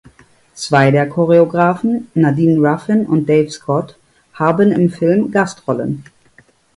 Zwei der Choreografen, Nadine Ruffin und Dave Scott, haben im Film Gastrollen.